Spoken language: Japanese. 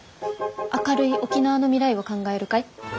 「明るい沖縄の未来を考える会」。